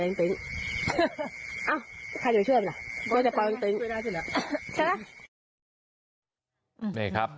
ใช่เปล่า